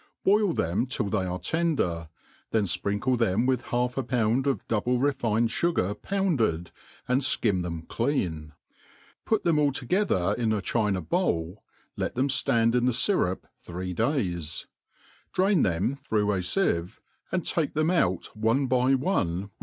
Boil them till they are tender, then fprinkle them with half a pound of double refined fugar pounded, and (kiot them clean. Put them all together \sx a china howl, let them ftand in the fyrup three day$; drain them through a fieve, take them out one by one, with